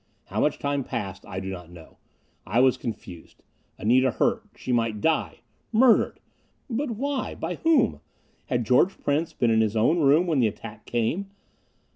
How much time passed, I do not know. I was confused. Anita hurt! She might die.... Murdered.... But why? By whom? Had George Prince been in his own room when the attack came?